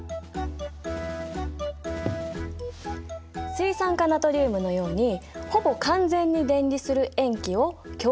水酸化ナトリウムのようにほぼ完全に電離する塩基を強塩基。